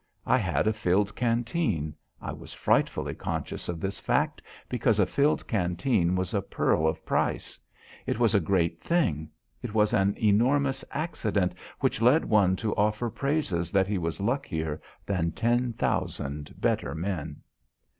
I had a filled canteen. I was frightfully conscious of this fact because a filled canteen was a pearl of price; it was a great thing. It was an enormous accident which led one to offer praises that he was luckier than ten thousand better men.